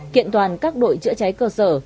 kiện toàn các đội chữa cháy cơ sở